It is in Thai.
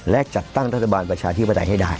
และจัดตั้งรัฐบาลประชาธิปไตยให้ได้